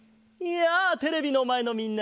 やあテレビのまえのみんな！